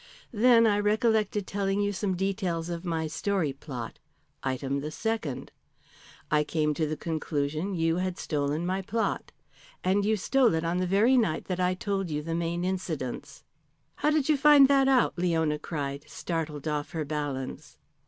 Then I recollected telling you some details of my story plot item the second. I came to the conclusion you had stolen my plot. And you stole it on the very night that I told you the main incidents." "How did you find that out?" Leona cried, startled off her balance.